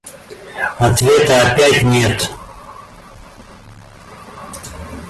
Ответа опять нет!